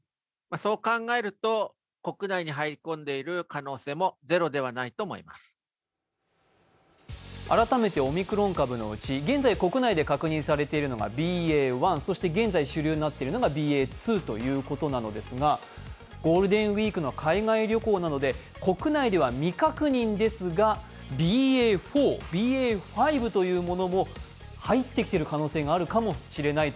感染拡大が続く中、専門家からは懸念も改めてオミクロン株のうち現在国内で確認されているのがＢＡ．１、そして現在主流になっているのがＢＡ．２ということなんですがゴールデンウィークの海外旅行などで国内では未確認ですが、ＢＡ．４、ＢＡ．５というものも入ってきている可能性もあるとのこと。